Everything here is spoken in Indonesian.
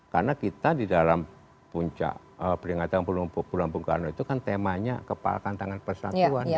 karena kita di dalam puncak peringatan bulan bung karno itu kan temanya kepala kantangan persatuan